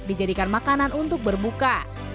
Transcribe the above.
dijadikan makanan untuk berbuka